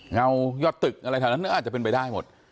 เงายอดตึกอะไรแถวนั้นอาจจะเป็นไปได้หมด